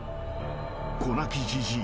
［子泣きじじい